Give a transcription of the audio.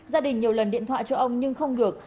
gia đình nhiều lần điện thoại cho ông nhưng không được